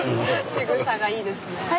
しぐさがいいですね。